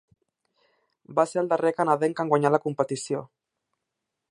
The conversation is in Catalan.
Va ser el darrer canadenc en guanyar la competició.